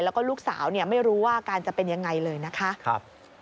แล้วก็ลูกสาวไม่รู้ว่าอาการจะเป็นยังไงเลยนะคะ